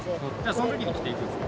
そのときに着ていくんですか？